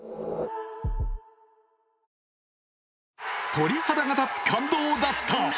鳥肌が立つ感動だった。